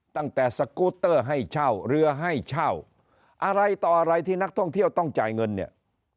ตั้งแต่สกูตเตอร์ให้เช่าเรือให้เช่าอะไรต่ออะไรที่นักท่องเที่ยวต้องจ่ายเงินเนี่ย